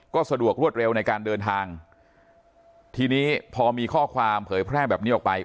ก็สะดวกรวดเร็วในการเดินทางทีนี้พอมีข้อความเผยแพร่แบบนี้ออกไป